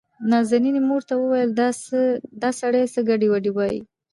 نازنين يې مور ته وويل دا سړى څه ګډې وډې وايي.